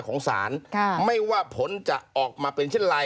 ของศาลค่ะไม่ว่าผลจะออกมาเป็นเช่นไร